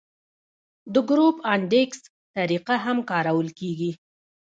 د ګروپ انډیکس طریقه هم کارول کیږي